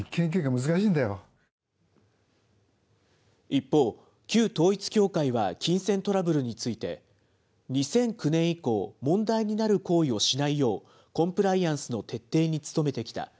一方、旧統一教会は金銭トラブルについて、２００９年以降、問題になる行為をしないよう、コンプライアンスの徹底に努めてきた。